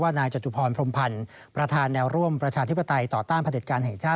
นายจตุพรพรมพันธ์ประธานแนวร่วมประชาธิปไตยต่อต้านพระเด็จการแห่งชาติ